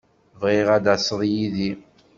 Bɣiɣ ad d-taseḍ yid-i.